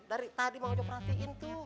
dari tadi mang ujo perhatiin tuh